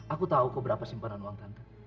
aku tahu kau berapa simpanan uang tante